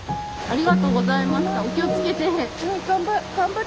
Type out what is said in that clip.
ありがとうございます。